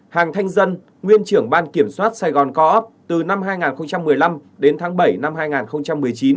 hàng thanh dân nguyên trưởng ban kiểm soát sài gòn co op từ năm hai nghìn một mươi năm đến tháng bảy năm hai nghìn một mươi chín